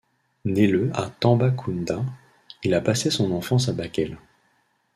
Né le à Tambacounda, il a passé son enfance à Bakel.